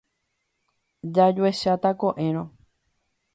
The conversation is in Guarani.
Jajuecháta ko'ẽrõ.